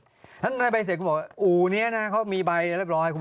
ฉะนั้นในใบเสร็จคุณบอกว่าอู๋นี้นะเขามีใบเรียบร้อย